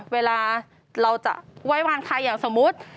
เวลาเราจะไหว้วานใครอย่างสมมุติ